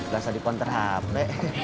gak bisa dipon terhap deh